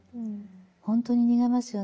ほんとに逃げますよね